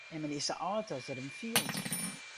Immen is sa âld as er him fielt.